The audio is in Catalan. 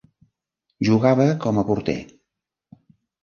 Jugava com a porter.